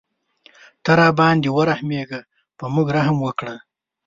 ته راباندې ورحمېږه په موږ رحم وکړه.